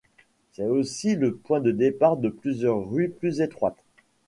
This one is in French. C'est aussi le point de départ de plusieurs rues plus étroites.